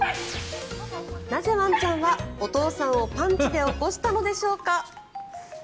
なぜワンちゃんはお父さんをパンチで起こしたのでしょうか。